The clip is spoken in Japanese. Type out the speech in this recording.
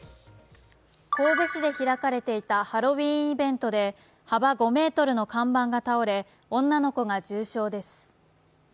神戸市で開かれていたハロウィーンイベントで幅５ｍの看板が倒れ、女の子が重傷です。